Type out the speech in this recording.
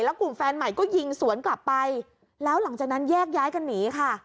กลุ่มแฟนใหม่ก็ยิงสวนกลับไปแล้วหลังจากนั้นแยกย้ายกันหนีค่ะ